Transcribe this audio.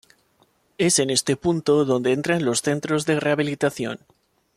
Es en este punto donde entran los Centros de Rehabilitación.